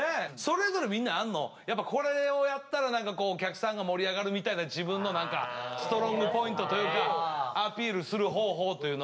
やっぱこれをやったら何かお客さんが盛り上がるみたいな自分の何かストロングポイントというかアピールする方法というのは。